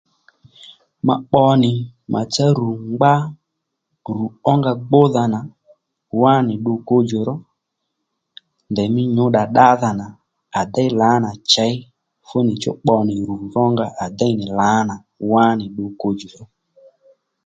Ma pbo nì màtsá rù ngbá rù ónga gbúdha nà wánì ddu ko djò ró ndèymí nyǔddà ddádha nà à déy lǎnà chěy fúnì chú pbo nì rù rónga à déy nì lánà wánì ddu kodjò ró